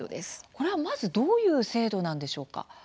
これはまずどういう制度なんでしょうか。